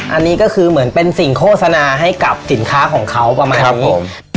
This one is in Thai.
อันนี้ก็คือเหมือนเป็นสิ่งโฆษณาให้กับสินค้าของเขาประมาณนี้ผม